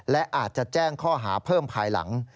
และอาจจะแจ้งข้อหาเพิ่มภายหลัง